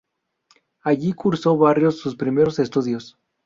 Allí cursó Barrios sus primeros estudios.